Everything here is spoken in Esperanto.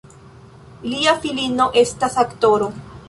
Lia filino estas aktoro.